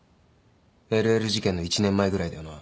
ＬＬ事件の１年前ぐらいだよな？